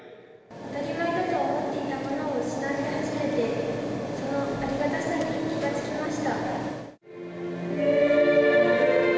当たり前だと思っていたものを失い、初めてそのありがたさに気が付きました。